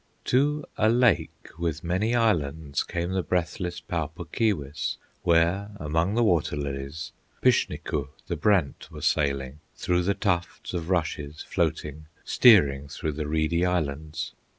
To a lake with many islands Came the breathless Pau Puk Keewis, Where among the water lilies Pishnekuh, the brant, were sailing; Through the tufts of rushes floating, Steering through the reedy Islands.